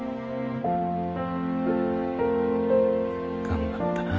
頑張ったな。